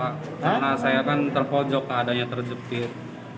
karena saya kan terpojok adanya terjepit